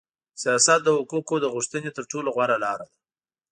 سیاست د حقوقو د غوښتنې تر ټولو غوړه لار ده.